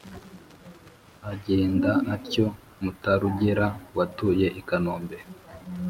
Agenda atyo Mutarugera Watuye i Kanombe